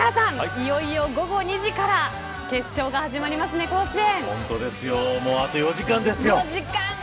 いよいよ午後２時から決勝が始まりますね、甲子園。